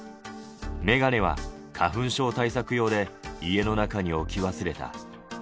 眼鏡は花粉症対策用で、家の中に置き忘れた。